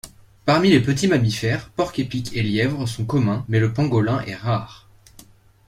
Parmi les petits mammifères, porc-épic et lièvre sont communs mais le pangolin est rare.